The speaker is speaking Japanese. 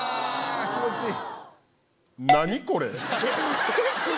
気持ちいい！